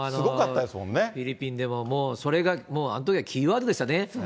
フィリピンでも、もうそれが、もうあのときはキーワードでしたね。